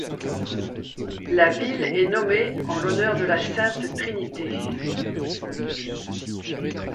La ville est nommée en l'honneur de la Sainte Trinité.